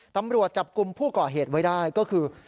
ตำรวจจับกลุ่มผู้ก่อเหตุไว้ได้ก็คือ